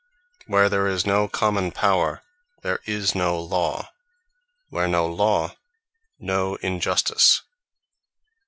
Where there is no common Power, there is no Law: where no Law, no Injustice.